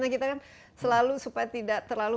kita kan selalu supaya tidak terlalu